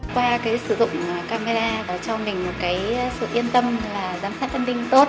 qua cái sử dụng camera nó cho mình một cái sự yên tâm là giám sát an ninh tốt